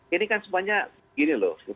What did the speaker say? ini kan semuanya gini loh